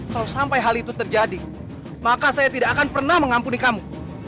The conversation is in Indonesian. kalau sampai hal itu terjadi maka saya tidak akan pernah mengampuni kamu